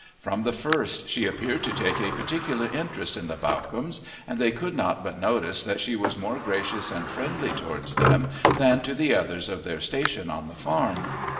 From the first she appeared to take a particular interest in the Bawcombes, and they could not but notice that she was more gracious and friendly towards them than to the others of their station on the farm.